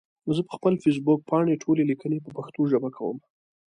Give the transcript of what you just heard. زه پخپل فيسبوک پاڼې ټولي ليکني په پښتو ژبه کوم